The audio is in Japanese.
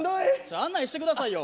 案内してくださいよ。